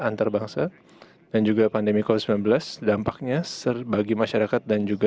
yang terbesar penyelesaian ekonomi yang lebih kuat dan inklusif terkait dengan pemilu prometrift